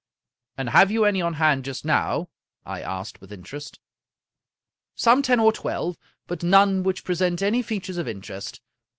"And have you any on hand just now?" I asked with interest. " Some ten or twelve, but none which present any fea tures of interest.